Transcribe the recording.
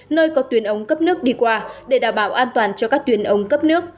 nơi có tuyến ống cấp nước đi qua để đảm bảo an toàn cho các tuyến ống cấp nước